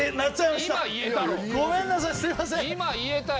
今言えたよ。